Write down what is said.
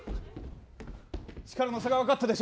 力の差が分かったでしょ。